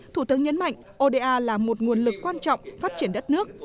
thủ tướng nhấn mạnh oda là một nguồn lực quan trọng phát triển đất nước